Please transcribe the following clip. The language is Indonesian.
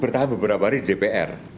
bertahan beberapa hari di dpr